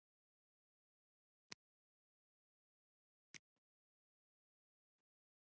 ژوندي تېروتنه اصلاح کوي